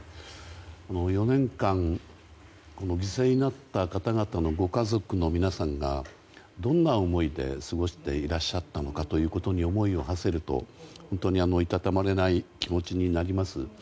４年間、犠牲になった方々のご家族の皆さんがどんな思いで過ごしていらっしゃったのかということに思いをはせると本当に、いたたまれない気持ちになります。